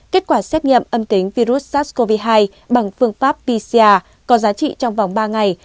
kết quả xét nghiệm âm tính virus sars cov hai bằng phương pháp pcr có giá trị trong vòng ba ngày